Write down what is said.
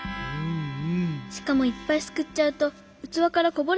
しかもいっぱいすくっちゃうとうつわからこぼれちゃうでしょ？